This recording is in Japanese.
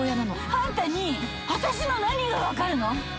あんたに私の何が分かるの！